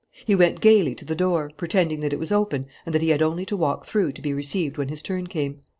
He went gayly to the door, pretending that it was open and that he had only to walk through to be received when his turn came.